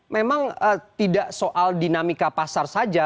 memang tidak soal dinamika pasar saja